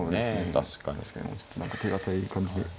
確かにもうちょっと何か手堅い感じで指した方が。